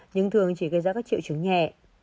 nhưng thường chỉ gây ra các triệu chứng nhẹ